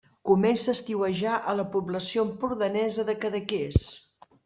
Començà a estiuejar a la població empordanesa de Cadaqués.